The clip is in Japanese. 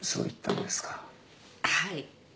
はい。